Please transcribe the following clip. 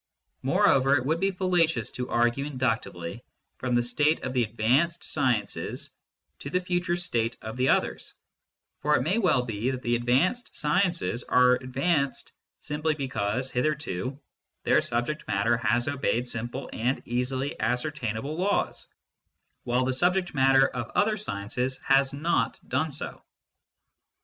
Moreover it would be fallacious to argue inductively from the state of the advanced sciences to the future state of the others, for it may well be that the advanced sciences are advanced simply because, hitherto, their subject matter has obeyed simple and easily ascertainable laws, while the subject matter of other sciences has not done so.